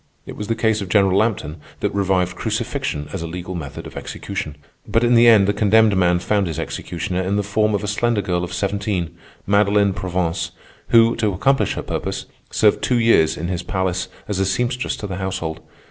It was the case of General Lampton that revived crucifixion as a legal method of execution. But in the end the condemned man found his executioner in the form of a slender girl of seventeen, Madeline Provence, who, to accomplish her purpose, served two years in his palace as a seamstress to the household.